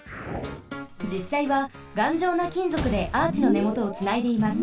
じっさいはがんじょうなきんぞくでアーチのねもとをつないでいます。